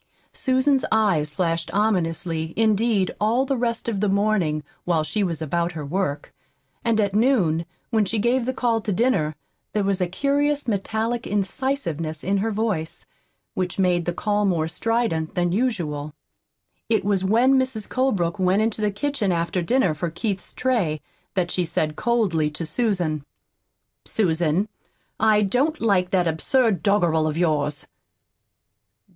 Susan's eyes flashed ominously, indeed, all the rest of the morning, while she was about her work; and at noon, when she gave the call to dinner, there was a curious metallic incisiveness in her voice, which made the call more strident than usual. It was when Mrs. Colebrook went into the kitchen after dinner for Keith's tray that she said coldly to Susan: "Susan, I don't like that absurd doggerel of yours."